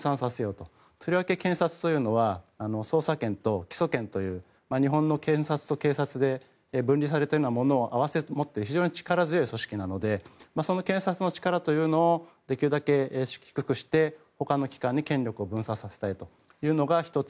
とりわけ検察というのは捜査権と起訴権という日本の検察と警察で分離されているものを併せ持っている非常に力強い組織なのでその検察の力というのをできるだけ低くしてほかの機関に権力を分散させたいというのが１つ。